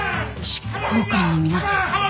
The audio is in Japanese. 執行官の皆さん。